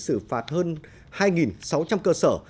sử phạt hơn hai sáu trăm linh cơ sở